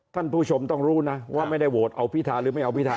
ท่านผู้ชมต้องรู้นะว่าไม่ได้โหวตเอาพิธาหรือไม่เอาพิธา